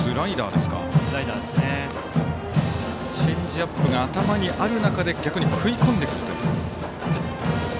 チェンジアップが頭にある中で逆に食い込んでくるという。